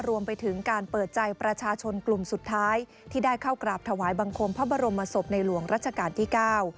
รวมไปถึงการเปิดใจประชาชนกลุ่มสุดท้ายที่ได้เข้ากราบถวายบังคมพระบรมศพในหลวงรัชกาลที่เก้า